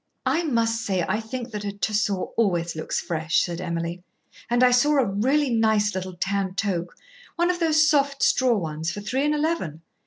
"I must say I think that a Tussore always looks fresh," said Emily, "and I saw a really nice little tan toque one of those soft straw ones for three and eleven.